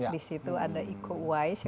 di situ ada iko weiss